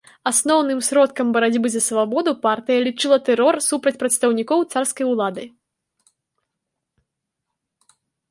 Асноўным сродкам барацьбы за свабоду партыя лічыла тэрор супраць прадстаўнікоў царскай улады.